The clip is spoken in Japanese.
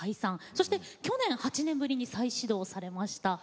そして、去年８年ぶりに再始動されました。